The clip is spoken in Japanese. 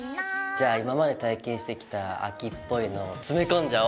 じゃあ今まで体験してきた秋っぽいのを詰め込んじゃお！